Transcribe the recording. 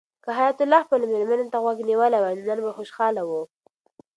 که حیات الله خپلې مېرمنې ته غوږ نیولی وای نو نن به خوشحاله و.